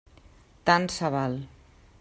Tant se val.